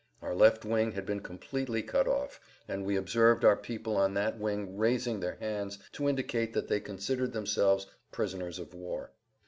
Our left wing had been completely cut off, and we observed our people on that wing raising their hands to indicate that they considered themselves prisoners of war.